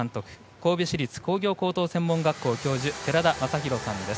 神戸市立工業高等専門学校教授寺田雅裕さんです。